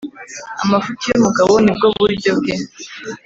Amafuti y’umugabo nibwo buryo bwe.